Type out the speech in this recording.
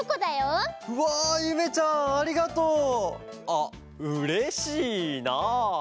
あっうれしいな！